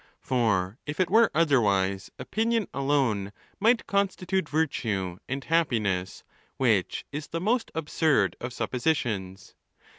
For if it were otherwise, 'opinion alone might constitute virtue and happiness, which is the most absurd of suppositions.